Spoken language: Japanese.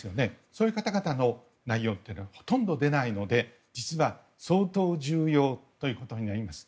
そういう方々の内容はほとんど出ないので実は相当重要ということになります。